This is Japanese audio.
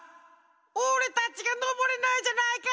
おれたちがのぼれないじゃないか！